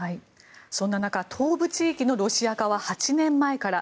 そんな中、東部地域のロシア化は８年前から。